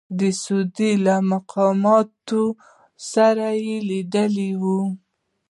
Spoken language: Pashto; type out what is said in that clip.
د سعودي له مقاماتو سره یې لیدلي وو.